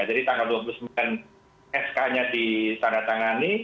jadi tanggal dua puluh sembilan sk nya disandatangani